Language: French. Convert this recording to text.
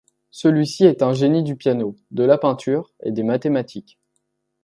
Celui-ci est un génie du piano, de la peinture et des mathématiques.